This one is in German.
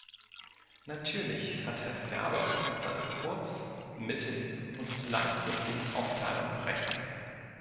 Natürlich hat Herr Ferber mit seiner kurz-, mittel- und langfristigen Aufteilung Recht.